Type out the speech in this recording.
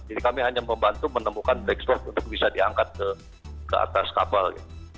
jadi kami hanya membantu menemukan black box untuk bisa diangkat ke atas kapal